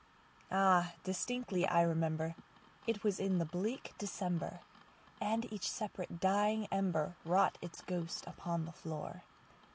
Ah, distinctly I remember it was in the bleak DecemberAnd each separate dying ember wrought its ghost upon the floor.